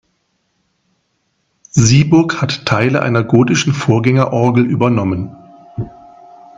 Sieburg hat Teile einer gotischen Vorgängerorgel übernommen.